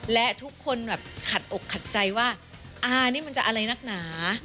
และทุกคนแบบขัดอกขัดใจว่าอ่านี่มันจะอะไรนักหนา